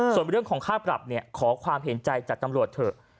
ส่วนเรื่องของค่าปรับเนี่ยขอความเห็นใจจากตำรวจเถอะ